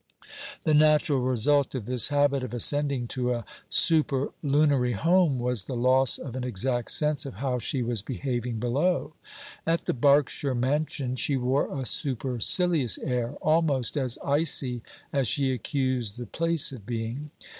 The natural result of this habit of ascending to a superlunary home, was the loss of an exact sense of how she was behaving below. At the Berkshire mansion, she wore a supercilious air, almost as icy as she accused the place of being.